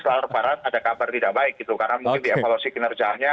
karena mungkin dievaluasi kinerjanya